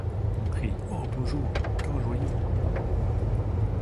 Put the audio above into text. On crie : O beaux jours ! temps joyeux !